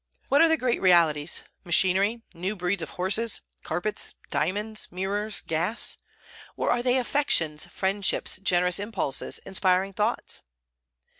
What are the great realities, machinery, new breeds of horses, carpets, diamonds, mirrors, gas? or are they affections, friendships, generous impulses, inspiring thoughts?